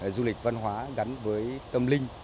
du lịch văn hóa gắn với tâm linh